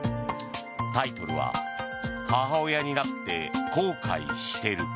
タイトルは「母親になって後悔してる」。